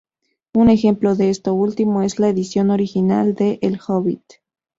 Un ejemplo de esto último es la edición original de "El hobbit".